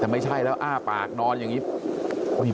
แต่ไม่ใช่แล้วอ้าปากนอนอย่างนี้